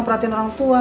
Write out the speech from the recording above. perhatian orang tua